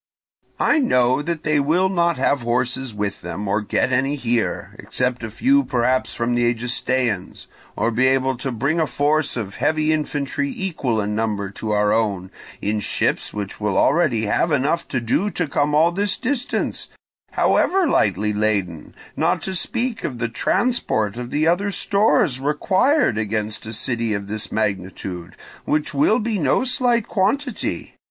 I know that they will not have horses with them, or get any here, except a few perhaps from the Egestaeans; or be able to bring a force of heavy infantry equal in number to our own, in ships which will already have enough to do to come all this distance, however lightly laden, not to speak of the transport of the other stores required against a city of this magnitude, which will be no slight quantity.